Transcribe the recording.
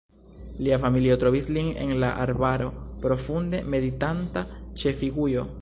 Lia familio trovis lin en la arbaro, profunde meditanta ĉe figujo.